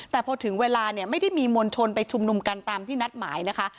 แต่พอถึงเวลาเนี่ยไม่ได้มีมวลชนไปชุมนุมกันตามที่นัดหมายนะคะ